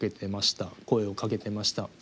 声をかけてました。